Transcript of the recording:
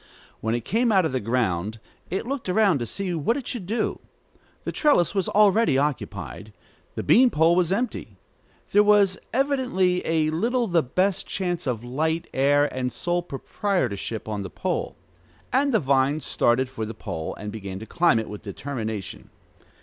When it came out of the ground, it looked around to see what it should do. The trellis was already occupied. The bean pole was empty. There was evidently a little the best chance of light, air, and sole proprietorship on the pole. And the vine started for the pole, and began to climb it with determination.